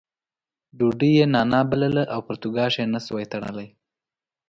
ډوډۍ یې نانا بلله او پرتوګاښ نه شوای تړلی.